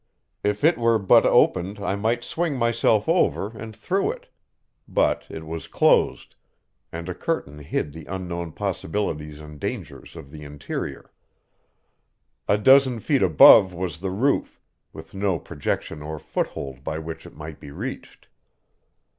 If it were but opened I might swing myself over and through it; but it was closed, and a curtain hid the unknown possibilities and dangers of the interior. A dozen feet above was the roof, with no projection or foothold by which it might be reached.